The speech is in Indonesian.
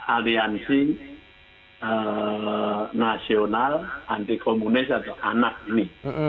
aliansi nasional anti komunis atau anak ini